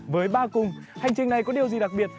với ba cùng hành trình này có điều gì đặc biệt